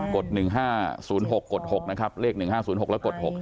กฎ๑๕๐๖กฎ๖นะครับเลข๑๕๐๖และกฎ๖